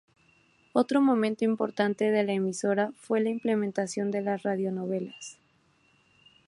Otro momento importante de la emisora fue la implementación de las radionovelas.